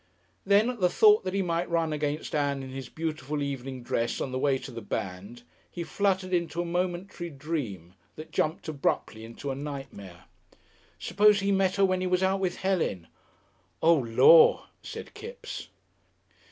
Then, at the thought that he might run against Ann in his beautiful evening dress on the way to the band, he fluttered into a momentary dream, that jumped abruptly into a nightmare. Suppose he met her when he was out with Helen! "Oh, Lor'!" said Kipps.